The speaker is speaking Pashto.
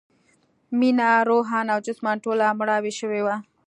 مينه روحاً او جسماً ټوله مړاوې شوې وه